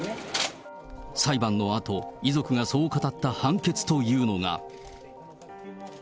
裁判のあと、遺族がそう語った判決というのが。